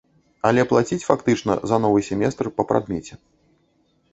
Але плаціць фактычна за новы семестр па прадмеце.